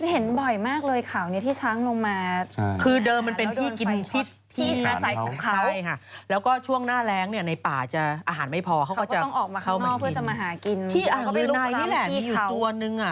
เห็นบ่อยมากเลยข่าวนี้ที่ช้างลงมา